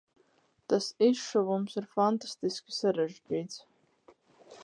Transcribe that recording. Tas izšuvums ir fantastiski sarežģīts.